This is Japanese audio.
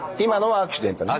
アクシデント。